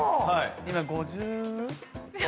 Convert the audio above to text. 今５０５？